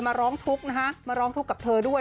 ร้องทุกข์นะคะมาร้องทุกข์กับเธอด้วย